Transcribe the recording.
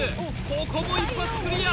ここも一発クリア